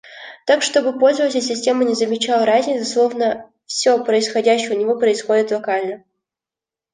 Так, чтобы пользователь системы не замечал разницы, словно все происходящее у него происходит локально